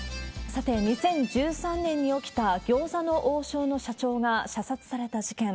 さて、２０１３年に起きた餃子の王将の社長が射殺された事件。